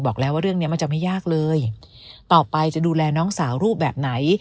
บอกแล้วว่าเรื่องเนี้ยมันจะไม่ยากเลยต่อไปจะดูแลน้องสาวรูปแบบไหน